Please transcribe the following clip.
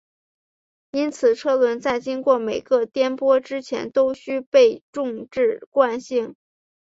因此车轮在经过每个颠簸之前都须被重置惯性。